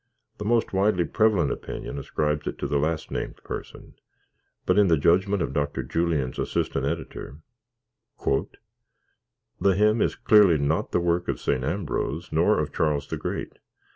The most widely prevalent opinion ascribes it to the last named person, but in the judgment of Dr. Julian's assistant editor "the hymn is clearly not the work of St. Ambrose nor of Charles the Great.